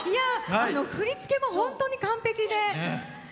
振り付けも本当に完璧で。